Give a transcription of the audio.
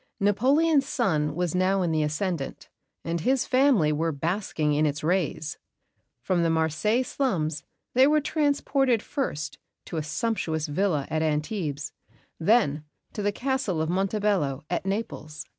Napoleon's sun was now in the ascendant, and his family were basking in its rays. From the Marseilles slums they were transported first to a sumptuous villa at Antibes; then to the Castle of Montebello, at Naples.